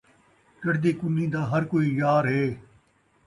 چڑھدی کنّی دا ہر کئی یار ہے